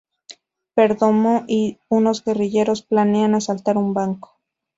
Perdomo y unos guerrilleros planean asaltar un banco.